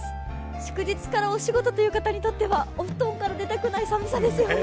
祝日からお仕事という方にとってはお布団から出たくない寒さですよね。